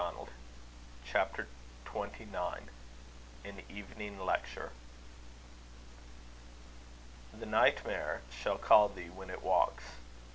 CHAPTER XIV. AN EVENING LECTURE. The Nightmare Shall call thee when it walks.